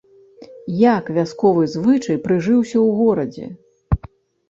Як вясковы звычай прыжыўся ў горадзе?